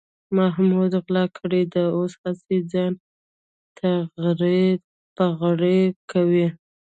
محمود غلا کړې ده، اوس هسې ځان تغړې پغړې کوي.